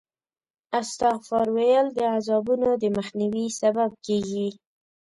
استغفار ویل د عذابونو د مخنیوي سبب کېږي.